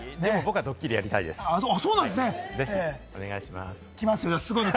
僕はドッキリやりたいです。